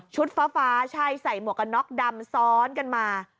ฟ้าใช่ใส่หมวกกันน็อกดำซ้อนกันมา